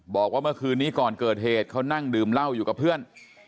บอกว่าเมื่อคืนนี้ก่อนเกิดเหตุเขานั่งดื่มเหล้าอยู่กับเพื่อน